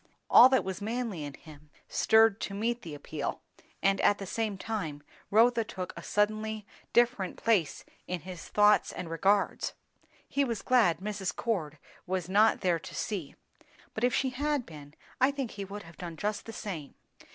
All that was manly in him stirred to meet the appeal, and at the same time Rotha took a suddenly different place in his thoughts and regards. He was glad Mrs. Cord was not there to see; but if she had been, I think he would have done just the same.